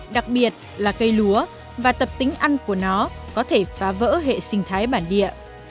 đặc biệt là cây lúa và tập tính ăn của nó có thể phá vỡ hệ sinh thái bản địa